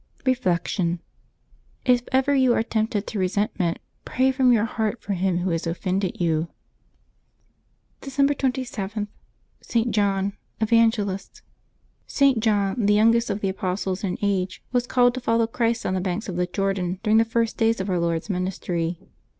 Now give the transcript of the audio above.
Reflection. — If ever you are tempted to resentment, pray from your heart for him who has offended you. December 27.— ST. JOHN, Evangelist. @T. JoHiT, the youngest of the apostles in age, was called to follow Christ on the banks of the Jordan during the first days of Our Lord's ministry.